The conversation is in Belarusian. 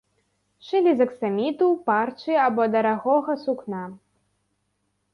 Шылі з аксаміту, парчы або дарагога сукна.